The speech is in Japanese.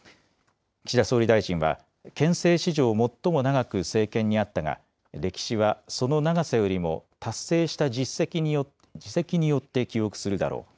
岸田総理大臣は、憲政史上最も長く政権にあったが、歴史はその長さよりも達成した事績によって記憶するだろう。